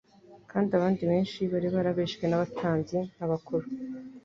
kandi abandi benshi bari barabeshywe n'abatambyi n'abakuru.